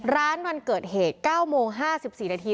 วันเกิดเหตุ๙โมง๕๔นาที